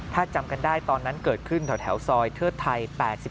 ถ้าจำกันได้ตอนนั้นเกิดขึ้นแถวซอยเทิดไทย๘๔